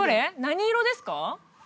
何色ですか？